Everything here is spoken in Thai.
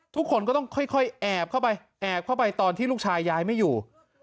ทุกคนก็ต้องค่อยแอบเข้าไปแอบเข้าไปตอนที่ลูกชายยายไม่อยู่